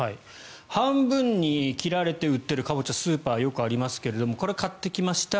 半分に切られて売っているカボチャスーパー、よくありますがこれを買ってきました。